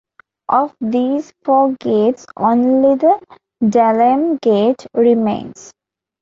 Of these four gates only the Dalem Gate remains.